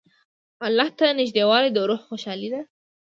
الله ته نېږدېوالی د روح خوشحالي ده.